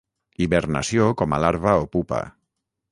Hibernació com a larva o pupa.